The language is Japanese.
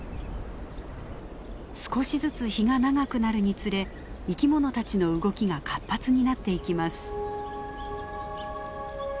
少しずつ日が長くなるにつれ生き物たちの動きが活発になっていきます。